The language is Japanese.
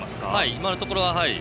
今のところは。